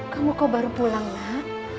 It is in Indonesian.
kamu kok baru pulang nak